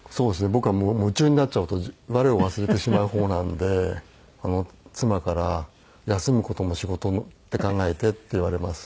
僕は夢中になっちゃうと我を忘れてしまう方なので妻から「休む事も仕事って考えて」って言われます。